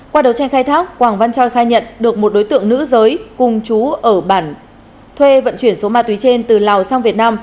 qua đầu tranh khai thác quảng văn choi khai nhận được một đối tượng nữ giới cùng chú ở bản thuê vận chuyển số ma túy trên từ lào sang việt nam